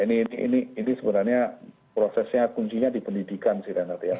nah ini sebenarnya prosesnya kuncinya di pendidikan sih renat ya